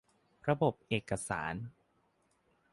ระบบเอกสาร